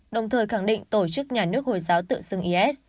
đồng thời khẳng định tổ chức nhà nước hồi giáo tự xưng is